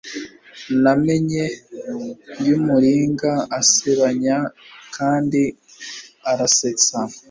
N'amenyo yumuringa asebanya kandi arasetsa